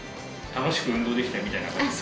楽しく運動できたみたいな感じですかね？